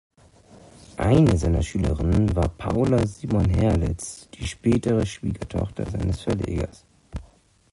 Eine seiner Schülerinnen war Paula Simon-Herlitz, die spätere Schwiegertochter seines Verlegers.